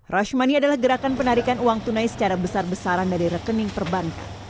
rashmani adalah gerakan penarikan uang tunai secara besar besaran dari rekening perbankan